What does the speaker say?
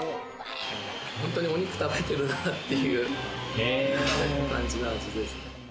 本当にお肉食べてるなっていう感じの味ですね。